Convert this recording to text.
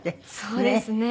そうですね。